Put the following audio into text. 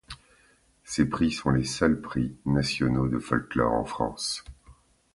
Ces prix sont les seuls prix nationaux de folklore en France.